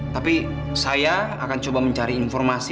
tapi saya akan coba mencari informasi